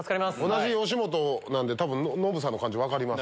同じ吉本なんで多分ノブさんの感じ分かります。